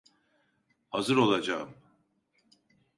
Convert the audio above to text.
Hazır olacağım.